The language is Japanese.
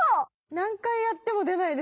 何回やっても出ないです